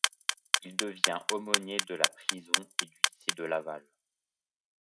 Il devient aumônier de la prison et du lycée de Laval.